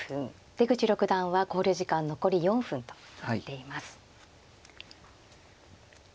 出口六段は考慮時間残り４分となっています。